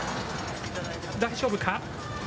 大丈夫か。